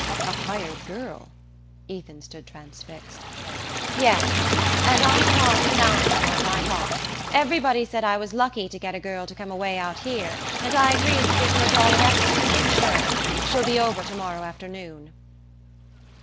"A hired girl?" Ethan stood transfixed. "Yes. And Aunt Martha found me one right off. Everybody said I was lucky to get a girl to come away out here, and I agreed to give her a dollar extry to make sure. She'll be over to morrow afternoon."